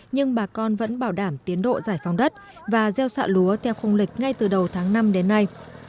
nhưng bà con vẫn bảo đảm tiến độ giải phóng đất và gieo xạ lúa theo khung lịch ngay từ đầu tháng năm đến nay